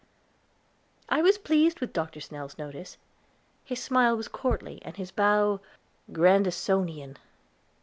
I was pleased with Dr. Snell's notice; his smile was courtly and his bow Grandisonian.